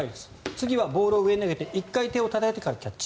次はボールを上に投げて１回手をたたいてからキャッチ。